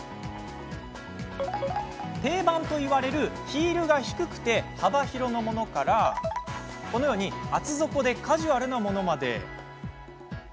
定番といわれるヒールが低くて幅広のものから厚底でカジュアルなものまで。